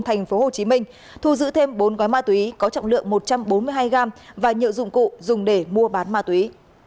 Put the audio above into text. thành phố hồ chí minh thu giữ thêm bốn gói ma túy có trọng lượng một trăm bốn mươi hai gram và nhựa dụng cụ dùng để mua bán ma túy